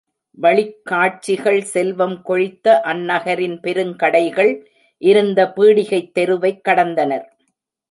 வழிக் காட்சிகள் செல்வம் கொழித்த அந்நகரின் பெருங்கடைகள் இருந்த பீடிகைத் தெருவைக் கடந்தனர்.